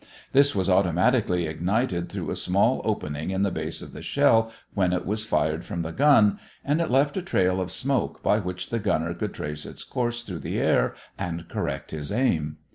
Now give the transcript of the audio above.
This was automatically ignited through a small opening in the base of the shell when it was fired from the gun and it left a trail of smoke by which the gunner could trace its course through the air and correct his aim.